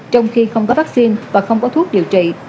trong khi không có vaccine và không có thuốc điều trị